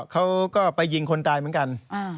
เขาก็ไปยิงคนตายเหมือนกัน